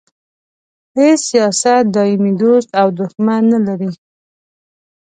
هیڅ سیاست دایمي دوست او دوښمن نه لري.